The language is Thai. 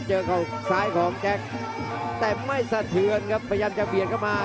เข้าซ้ายของแจ็คแต่ไม่สะเทือนครับพยายามจะเบียดเข้ามา